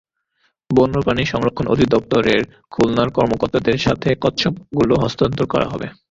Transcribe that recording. বন্য প্রাণী সংরক্ষণ অধিদপ্তরের খুলনার কর্মকর্তাদের কাছে কচ্ছপগুলো হস্তান্তর করা হবে।